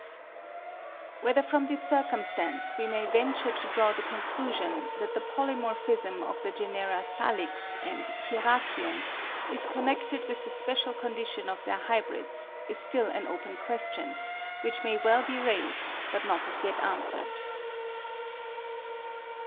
368 Mendel's Experiments with Hieracium Whether from this circumstance we may venture to draw the conclusion that the polymorphism of the genera Salix and Hieracium is connected with the special condition of their hybrids is still an open question, which may well be raised but not as yet answered.